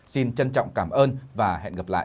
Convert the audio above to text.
xin trân trọng cảm ơn và hẹn gặp lại